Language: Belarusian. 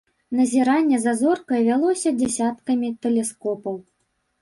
Назіранне за зоркай вялося дзясяткамі тэлескопаў.